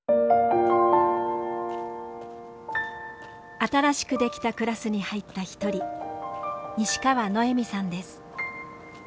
新しく出来たクラスに入った一人西川ノエミさんです。